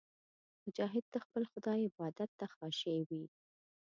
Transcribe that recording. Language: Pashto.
مجاهد د خپل خدای عبادت ته خاشع وي.